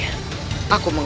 aku akan menang